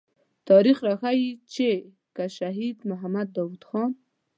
تاريخ راښيي چې که شهيد محمد داود خان.